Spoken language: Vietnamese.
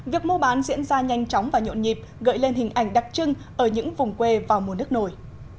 việc mua bán diễn ra nhanh chóng và nhộn nhịp gợi lên hình ảnh đặc trưng ở những vùng quê vào mùa nước nổi